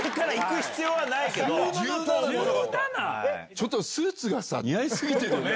ちょっとスーツがさ、似合いすぎてる。